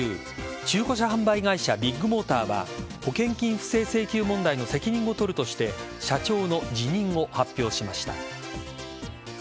中古車販売会社ビッグモーターは保険金不正請求問題の責任を取るとして社長の辞任を発表しました。